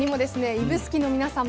指宿の皆さん